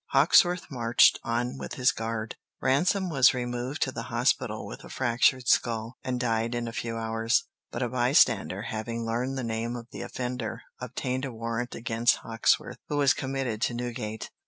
Hawksworth marched on with his guard; Ransom was removed to the hospital with a fractured skull, and died in a few hours. But a bystander, having learned the name of the offender, obtained a warrant against Hawksworth, who was committed to Newgate.